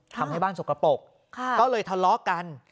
ทำให้บ้านสกปรกก็เลยทะเลาะกัน